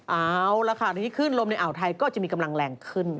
เอาละค่ะทีนี้ขึ้นลมในอ่าวไทยก็จะมีกำลังแรงขึ้น